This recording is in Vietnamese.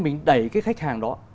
mình đẩy cái khách hàng đó